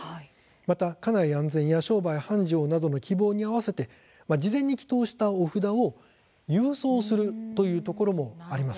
また家内安全や商売繁盛などの希望に合わせて事前に祈とうしたお札を郵送するというところもあります。